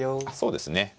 あっそうですね。